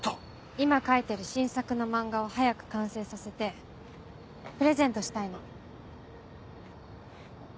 今描いてる新作の漫画を早く完成させてプレゼントしたいの。